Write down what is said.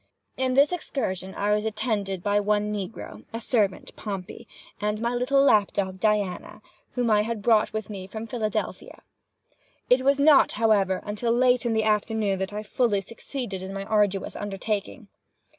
In this excursion I was attended by one negro servant, Pompey, and my little lap dog Diana, whom I had brought with me from Philadelphia. It was not, however, until late in the afternoon that I fully succeeded in my arduous undertaking.